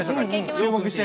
注目して。